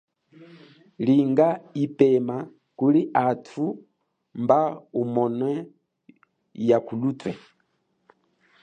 Linga ipema kuli athu mba umone yakuluthwe.